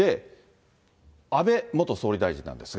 安倍元総理大臣なんですが。